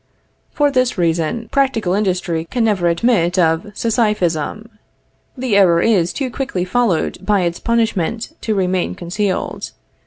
For this reason, practical industry never can admit of Sisyphism. The error is too quickly followed by its punishment to remain concealed.